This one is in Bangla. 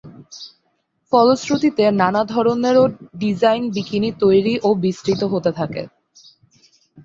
ফলশ্রুতিতে নানা ধরনের ও ডিজাইন বিকিনি তৈরি ও বিস্তৃত হতে থাকে।